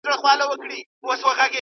¬ خپل، خپل، پردى په ډېرو نارو خپل.